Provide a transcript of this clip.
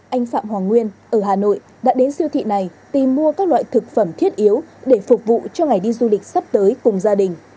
anh phạm hoàng nguyên ở hà nội đã đến siêu thị này tìm mua các loại thực phẩm thiết yếu để phục vụ cho ngày đi du lịch sắp tới cùng gia đình